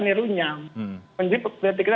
nerunyam jadi politik kita